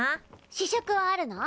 試食はあるの？